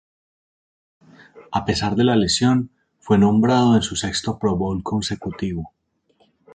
A pesar de la lesión, fue nombrado en su sexto Pro Bowl consecutivo.